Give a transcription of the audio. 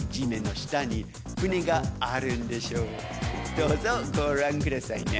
どうぞご覧くださいね。